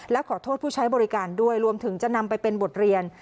และขอโทษผู้ใช้บริการด้วยรวมถึงจะนำไปเป็นบทเรียน